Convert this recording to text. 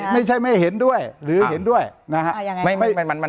ไม่ใช่ไม่เห็นด้วยหรือเห็นด้วยนะฮะ